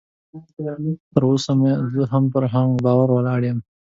تر اوسه هم زه پر هماغه باور ولاړ یم